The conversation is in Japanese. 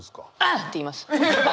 「ぁっ！！」って言います。